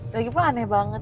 ya kita aneh banget